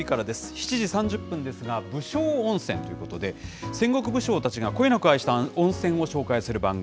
７時３０分ですが、武将温泉ということで、戦国武将たちがこよなく愛した温泉を紹介する番組。